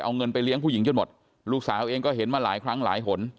เอาเงินไปเลี้ยงผู้หญิงจนหมดลูกสาวเองก็เห็นมาหลายครั้งหลายหน